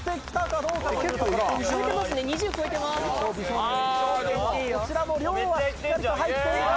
こちらも量はしっかりと入っているか？